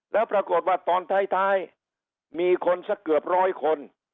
แล้วปรากฏว่าตอนท้ายมีคนสักเกือบร้อยคน